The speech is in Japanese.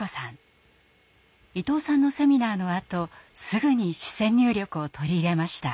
伊藤さんのセミナーのあとすぐに視線入力を取り入れました。